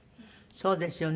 そうですよね。